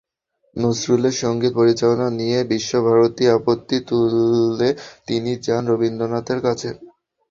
নজরুলের সংগীত পরিচালনা নিয়ে বিশ্বভারতী আপত্তি তুললে তিনি যান রবীন্দ্রনাথের কাছ।